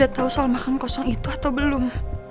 mbak andi udah tau soal makan kosong itu atau belum